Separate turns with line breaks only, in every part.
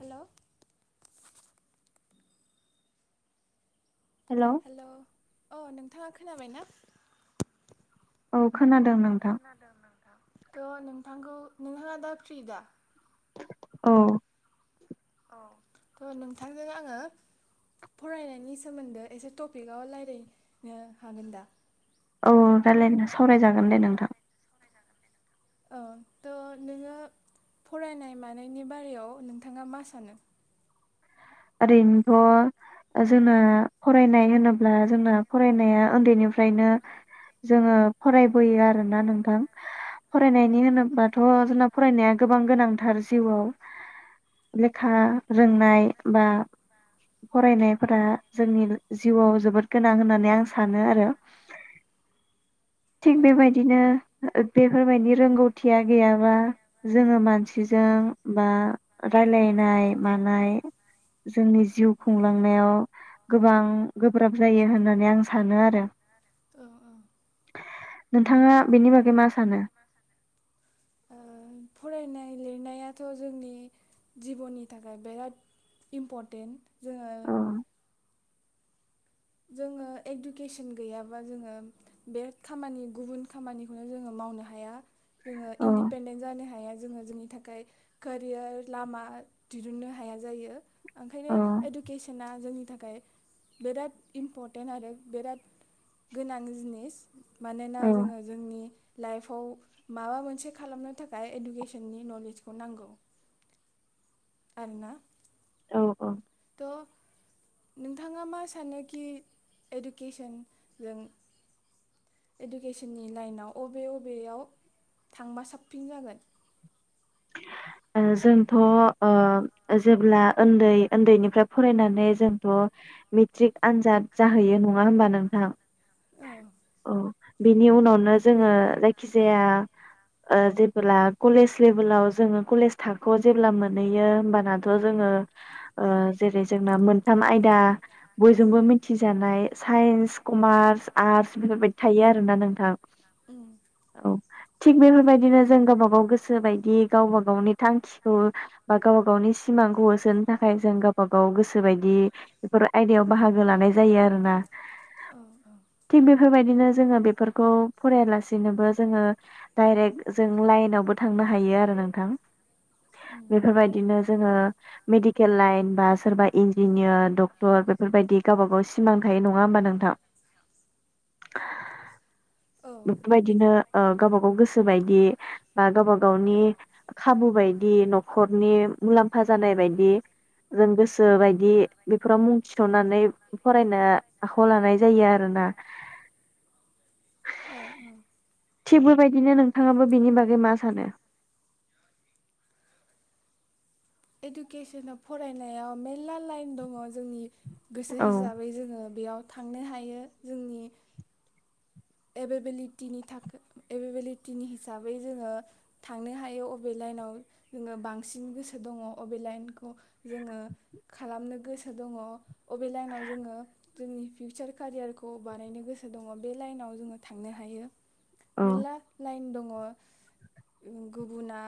हेल'
hello
hello अ नों थाङा खोनाबाय ना?
औ खोनादों
औ
नोंथां
खोनादों नोंथां थ' नों थांखौ नोंथाङा दा फ्रिदा?
औ
औ थ' नोंथांजों आङो फरायनायनि सोमोन्दै एसे टपिकआव लायरायनो हागोन दा?
औ रायलायनो सावरायजागोन दे नोंथां।
औ थ' नोङो फरायनाय मानायनि बारियाव नोंथाङा मा सानो?
ओरैनोथ' ओ जोंना फरायनाय होनोब्ला जोंना फरायनाया उन्दैनिफ्रायनो जोङो फरायबोयो आरोना नोंथां। फरायनायनि होनोब्लाथ' जोंना फरायनाया गोबां गोनांथार जिउआव लेखा रोंनाय बा फरायनायफोरा जोंनि जिउआव जोबोद गोनां होननानै आं सानो आरो
औ
थिग
औ
बेबायदिनो बेफोरबायदि रोंगौथिया गैयाबा जोङो मानसिजों बा रायलायनाय मानाय जोंनि जिउ खुंलांनायाव गोबां गोब्राब जायो होननानै आं सानो आरो
औ औ
नोंथाङा बेनि बागै मा सानो?
ओ फरायनाय लिरनायाथ' जोंनि जिबननि थाखाय बिराद इम्परटेन्ट जोङो
औ
जोङो इडुकेसन गैयाबा जोङो बे खामानि गुबुन खामानिखौनो जोङो मावनो हाया। जोङो
औ
इन्दिपेन्डेन्ट जानो हाया जोङो जोंनि थाखाय कोरियार लामा दिरूननो हाया जायो ओंखायनो
औ
इडुकेसना जोंनि थाखाय बेराद इम्परटेन्ट आरो बेराद गोनां जिनिस मानोना
औ
जोङो जोंनि लाइफाव माबा मोनसे खालामनो थाखाय इडुकेसननि नलेजखौ नांगौ आरोना
औ औ
त' नोंथाङा मा सानोखि इडुकेसन जों इडुकेसननि लाइनाव अबे अबेयाव थांबा साबसिन जागोन
ओ जोंथ' आ जेब्ला उन्दै उन्दैनिफ्राय फरायनानै जोंथ' मेट्रिक आनजाद जाहैयो नङा होमबा नोंथां औ बिनि उनावनो जोङो जायखि जाया ओ जेब्ला कलेज लेभेलाव जोङो कलेज थाखोआव जेब्ला मोनहैयो होमबानाथ' जोङो ओ जेरै जोंना मोनथाम आयदा बयजोंबो मिथिजानाय साइन्स, कमार्स, आर्टस बेफोरबायदि थायो आरोना नोंथां
उम
औ थिग बेफोरबायदिनो जों गावबा गाव गोसो बायदि गावबा गावनि थांखिखौ गावबा गावनि सिमांखौ होसोनो थाखाय जों गावबा गाव गोसो बायदि बेफोर आयदायाव बाहागो लानाय जायो आरोना
औ
थिग बेफोरबायदिनो जोङो बेफोरखौ फरायालासेनोबो जोङो डाइरेक्ट जों लाइनावबो थांनो हायो आरो नोंथां
उम
बेफोरबायदिनो जोङो मेडिकेल लाइन बा सोरबा इन्जिनियार डक्टर बेफोरबायदि गावबा गाव सिमां थायो नङा होमबा नोंथां
औ
बेफोरबायदिनो ओ गावबा गाव गोसोबाय दि बा गावबा गावनि खाबु बायदि न'खरनि मुलाम्फा जानाय बायदि जों गोसो बायदि बेफोराव मुं थिसननानै फरायनो आखाइयाव लानाय जायो आरोना
औ औ
थिग बेबायदिनो नोंथाङाबो बिनि बागै मा सानो
इडुकेसनाव फरायनायाव मेर ला लाइन दङ जोंनि गोसो
औ
हिसाबै जोङो बेयाव थांनो हायो जोंनि एभेबिलिटिनि था एभेबिलिटिनि हिसाबै जोङो थांनो हायो अबे लाइनाव जोङो बांसिन गोसो दङ अबे लाइनखौ जोङो खालामनो गोसो दङ अबे लाइनाव जोङो जोंनि फिउचार कारियारखौ बानायनो गोसो दङ बे लाइनाव जोङो थांनो हायो
औ
मेरला लाइन दं गुबुना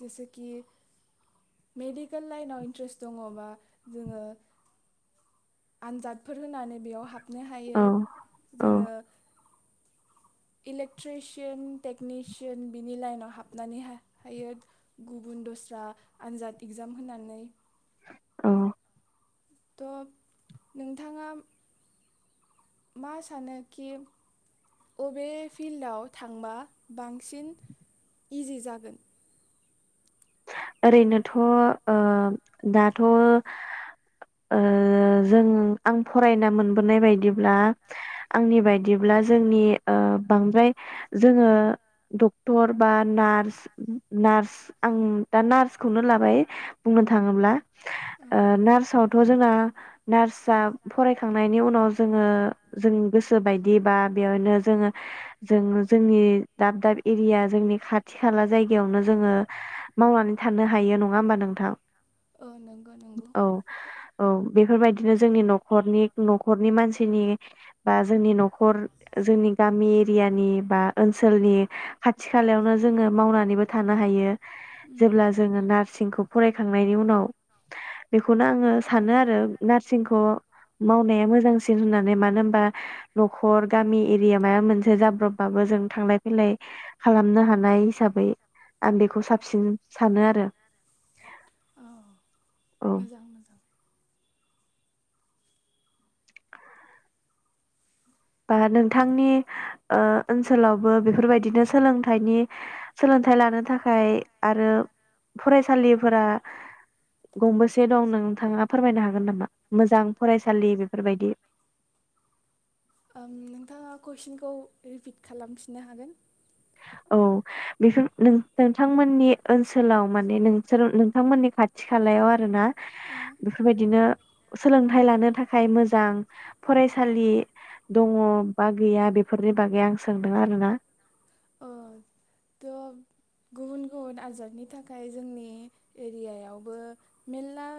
जेसेखि मेडिकेल लाइनाव इनट्रेष्ट दङबा जोङो आनजादफोर होनानै बेयाव हाब नो हायो
औ औ
जोङो इलेक्ट्रिसियान टेकनिसियान बिनि लाइनाव हाबनानै हायो गुबुन दस्रा आनजाद इगजाम होनानै
औ
थ' नोंथाङा मा सानोखि बबे फिल्डआव थांबा बांसिन इजि जागोन
ओरैनोथ' ओ दाथ' ओ जों आं फरायना मोनबोनाय बायदिब्ला आंनि बायदिब्ला जोंनि ओ बांद्राय जोङो डक्टर बा नार्स नार्स आं दा नार्सखौनो लाबाय बुंनो थाङोब्ला ओ नार्सआवथ' जोंना नार्सआ फरायखांनायनि उनाव जोङो जों गोसो बायदि बा बेयावनो जोङो जों जोंनि दाब दाब एरिया जोंनि खाथि खाला जायगायावनो जोङो। मावनानै थानो हायो नङा होमबा नोंथां
ओ नंगौ नंगौ
औ औ बेफोरबायदिनो जोंनि न'खरनि न'खरनि मानसिनि बा जोंनि न'खर जोंनि गामि एरियानि बा ओनसोलनि खाथि खालायावनो जोङो मावनानैबो थानो हायो।
उम
जेब्ला जोङो नार्सिंखौ फरायखांनायनि उनाव बेखौनो आङो सानो आरो नार सिंखौ मावनाया मोजांसिन होननानै मानो होनबा न'खर गामि एरिया माबा मोनसे जाब्रबबाबो जों थांलाय फैलाय खालामनो हानाय हिसाबै आं बेखौ साबसिन सानो आरो
औ
औ
मोजां मोजां
बा नों थांनि ओ ओनसोलावबो बेफोरबायदिनो सोलोंथाइनि सोलोंथाइ लानो थाखाय आरो फरायसालिफोरा गंबेसे दं नोंथाङा फोरमायनो हागोन नामा मोजां फरायसालि बेफोरबायदि?
ओं नोंथाङा कुइसनखौ रिपिट खालामफिननो हागोन
औ बेफोर नों नोंथांमोननि ओनसोलाव माने नोंसोर नोंथांमोननि खाथि खालायाव आरोना
ओ
बेफोरबायदिनो सोलोंथाइ लानो थाखाय मोजां फरायसालि दङ बा गैया बेफोरनि बागै आं सोंदों आरोना
ओ थ' गुबुन गुबुन आजारनि थाखाय जोंनि एरियायावबो मेरला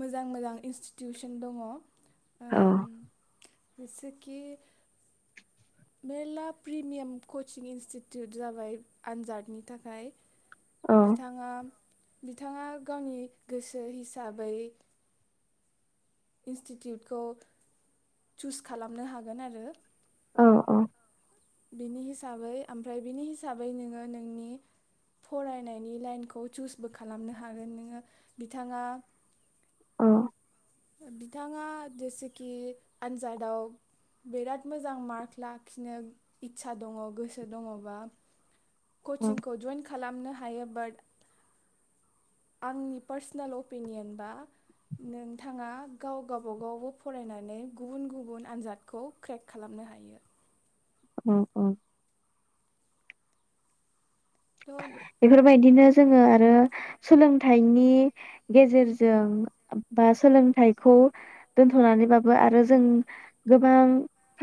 मोजां मोजां इन्स्टिटिउसन दङ।
औ
ओम इसे खि मेरला प्रिमियाम कचिं इन्स्टिटिउट जाबाय आनजादनि थाखाय
औ
बिथांङा बिथाङा गावनि गोसो हिसाबै इन्स्टिटिउटखौ चुस खालामनो हागोन आरो
औ औ
बिनि हिसाबै ओमफ्राय बिनि हिसाबै नोङो नोंनि फरायनायनि लाइनखौ चुसबो खालामनो हागोन नोङो बिथाङा
औ
बिथाङा जेसेखि आनजादाव बिराद मोजां मार्क लाखिनो इटसा दङ गोसो दङबा कचिंखौ जएन्थ खालामनो हायो बाट आंनि पार्सनेल अपिनियन बा नोंथाङा गाव गावाबागावबो फरायनानै गुबुन गुबुन आनजादखौ क्रेक खालामनो हायो।
ओम ओम
थ'
बेफोरबायदिनो जोङो आरो सोलोंथाइनि गेजेरजों बा सोलोंथाइखौ दोनथ'नानैबाबो आरो जों गोबां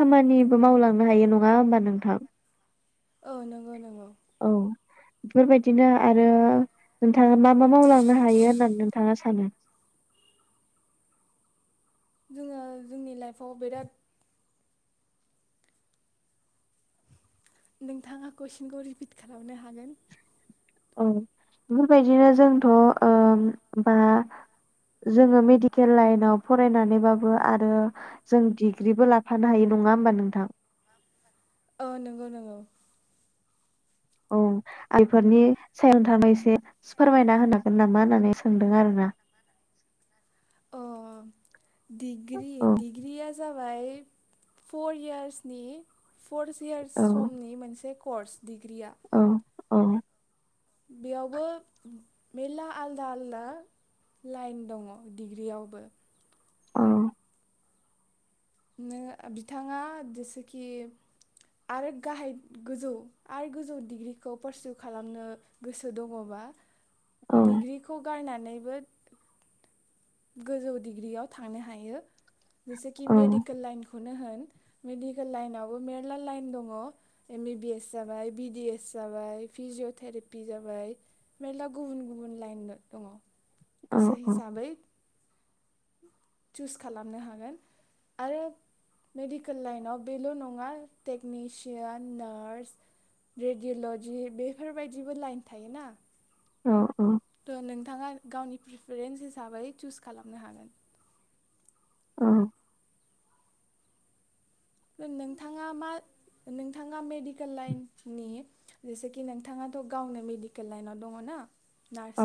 खामानिबो मावलांनो हायो नङा होमबा नोंथां।
औ नंगौ नंगौ
औ बेफोरबायदिनो आरो नोंथाङा मा मा मावलांनो हायो होननानै नोंथाङा सानो
जोङो जोंनि लाइफआव बिराद नोंथाङा कुइसनखौ रिपिट खालामनो हागोन
औ बेफोरबायदिनो जोंथ ओ बा जोङो मेडिकेल लाइनाव फरायनानैबाबो आरो जों डिग्रिबो लाफानो हायो नङा होमबा नोंथां
औ नंगौ नंगौ
औ आइफोरनि सायावथानाय एसे फोरमायना होनो हागोन नामा होननानै सोंदों आरोना
अ डिग्रि
औ
डिग्रिया जा बाय फर इयार्सनि फरस इयार्स
औ
समनि मोनसे कर्स डिग्रिया
औ औ।
बेयावबो मेरला आलदा आलदा लाइन दङ' डिग्रियावबो।
औ।
नों बिथाङा जेसेखि आरो गाहाय गोजौ आरो गोजौ डिग्रिखौ पारसिउ खालामनो गोसो दङ'बा
औ
डिग्रिखौ गारना नैबो गोजौ डिग्रियाव थांनो हायो। जेसेखि
औ
मेडिकेल लाइनखौनो होन मेडिकेल लाइनावबो मेरला लाइन दङ'। एम बि बि एस जाबाय बि डि एस जाबाय फिजिअ' थेरापि जाबाय मेरला गुबुन गुबुन लाइन दङ'। गोसो हिसाबै चुज खालामनो हागोन आरो मेडिकेल लाइनाव बेल' नङा टेकनिसियान, नार्स, रेडिअल'जि बेफोरबायदिबो लाइन थायो ना
अ अ
त' नोंथाङा गावनि प्रिफारेन्स हिसाबै चुस खालामनो हागोन।
औ।
नोंथाङा मा नोंथाङा मेडिकेल लाइननि जेसेखि नोंथाङाथ' गावनो मेडिकेल लाइनाव दङ' ना।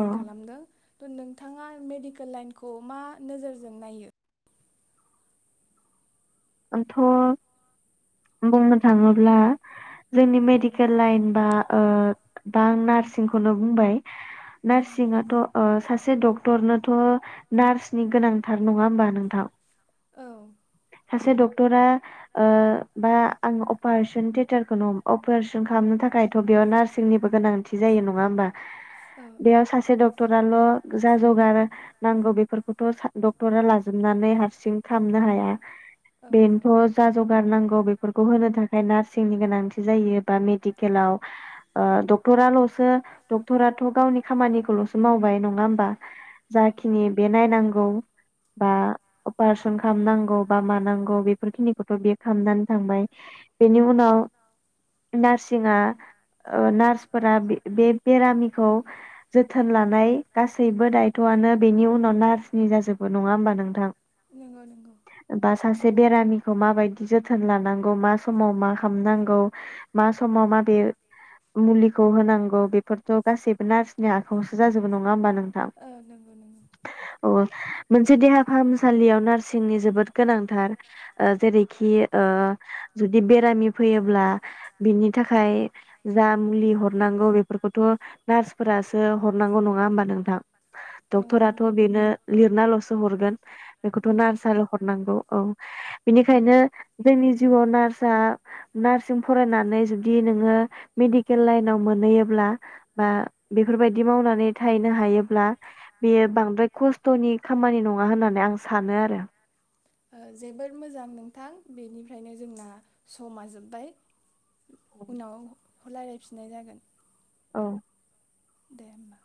औ
खालामनो त' नों थाङा मेडिकेल लाइनखौ मा नोजोरजों नायो?
आंथ' बुंनो थाङोब्ला जोंनि मेडिकेल लाइन बा ओ दा आं नार्सिंखौनो बुंबाय नार्सिङाथ' ओ सासे डक्टरनोथ' नार्सनि गोनांथार। नङा होमबा नोंथां?
औ।
सासे डक्टरा ओ बा आं अपारेशन थियेटारखौनो अपारेशन खालामनो थाखायथ' बेयाव नार्सिंनिबो गोनांथि जायो। नङा होमबा?
औ
बेयाव सासे डक्टर आल' जा जगार नांगौ बेफोरखौथ' सा डक्टरा लाजोबनानै हारसिं खामनो हाया।
औ
बेनोथ' जा जगार नांगौ बेफोरखौ होनो थाखै नार्स नि गोनां जायोबा मेडिकेलाव ओ ड क्टराल'सो डक्टराथ' गावनि खामानिखौल'सो मावबाय नङा होमबा।
औ
जाखिनि बे नायनांगौ बा अपारेशन खालामनांगौ बा मानांगौ बेफोरखिनिखौथ' बे खामनानै थांबाय बेनि उनाव नार्सिङा ओ नार्स फोरा बे बे बेरामिखौ जोथोन लानाय गासैबो दायथ'आनो बेनि उनाव नार्सनि जाजोबो नङा होमबा नोंथां।
नंगौ।
बा सासे बेरामिखौ माबायदि जोथोन लानांगौ मा समाव मा खामनांगौ मा समाव माबे मुलि खौ होनांगौ बेफोरथ' गासैबो नार्सनि आखाइआवसो जाजोबो नङा होमबा नोंथां
ओ नंगौ नंगौ
अ मोनसे देहा फाहामसालियाव नार्सिंनि जोबोद गोनांथार ओ जेरैखि ओ जुदि बेरामि फैयोब्ला बिनि थाखाय जा मुलि हरनांगौ बेफोरखौथ' नार्सफोरासो हरनांगौ नङा होमबा नोंथां
ओ
डक्टराथ'
नंगौ।
बेनो लिरनाल'सो हरगोन बेखौथ'
उम
नारस आरो हरनांगौ औ बिनिखायनो जोंनि जिउआव नार्सआ नार्सिजों फरायनानै जुदि नोङो मेडिकेल लाइनाव मोनहैयोब्ला बा बेफोरबायदि मावनानै थाहैनो हायोब्ला बेयो बांद्राय खस्थ'नि खामानि नङा होननानै आं सानो आरो।
ओ जोबोर मोजां नोंथां। बेनिफ्रायनो जोंना समा जोब्बाय। उनाव रायलायफिननाय जागोन।
औ
दे होमबा।